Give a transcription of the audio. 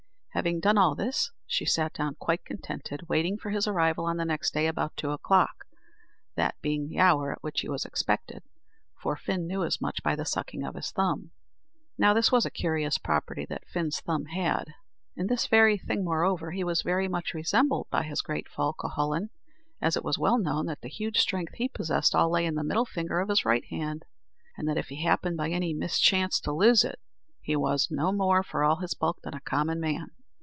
Having done all this, she sat down quite contented, waiting for his arrival on the next day about two o'clock, that being the hour at which he was expected for Fin knew as much by the sucking of his thumb. Now this was a curious property that Fin's thumb had. In this very thing, moreover, he was very much resembled by his great foe, Cuhullin; for it was well known that the huge strength he possessed all lay in the middle finger of his right hand, and that, if he happened by any mischance to lose it, he was no more, for all his bulk, than a common man.